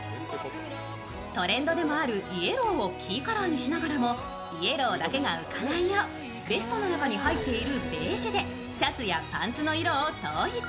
トレンドでもあるイエローをキーカラーにしながらもイエローだけが浮かないよう、ベストの中に入っているベージュでシャツやパンツの色を統一。